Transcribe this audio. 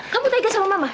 kamu tegas sama mama